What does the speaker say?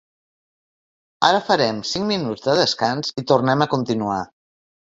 Ara farem cinc minuts de descans i tornem a continuar.